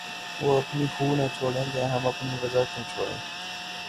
وہ اپنی خو نہ چھوڑیں گے‘ ہم اپنی وضع کیوں چھوڑیں!